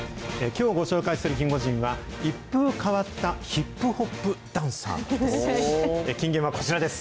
きょうご紹介するキンゴジンは、一風変わったヒップホップダンサーです。